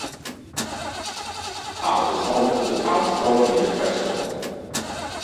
Taos is home to the Taos Solar Music Festival.